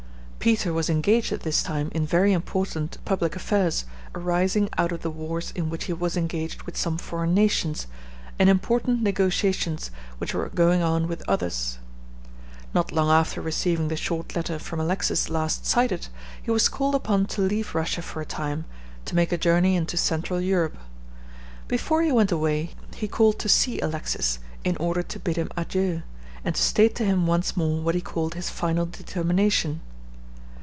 Peter was engaged at this time in very important public affairs arising out of the wars in which he was engaged with some foreign nations, and important negotiations which were going on with others. Not long after receiving the short letter from Alexis last cited, he was called upon to leave Russia for a time, to make a journey into central Europe. Before he went away he called to see Alexis, in order to bid him adieu, and to state to him once more what he called his final determination.